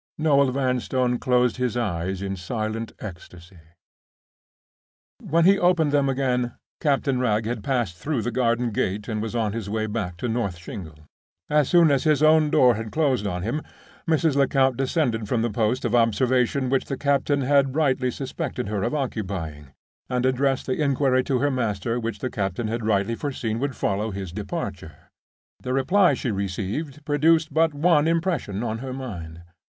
Noel Vanstone closed his eyes in silent ecstasy. When he opened them again Captain Wragge had passed through the garden gate and was on his way back to North Shingles. As soon as his own door had closed on him, Mrs. Lecount descended from the post of observation which the captain had rightly suspected her of occupying, and addressed the inquiry to her master which the captain had rightly foreseen would follow his departure. The reply she received produced but one impression on her mind.